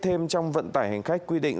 thêm trong vận tải hành khách quy định